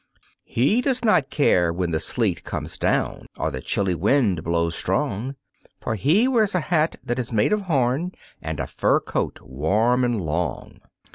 He does not care when the sleet comes down, or the chilly wind blows strong, For he wears a hat that is made of horn and a fur coat, warm and long.